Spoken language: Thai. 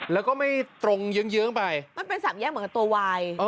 แล้วก็ไม่ตรงเยื้องไปมันเป็นสามแยกเหมือนกับตัววาย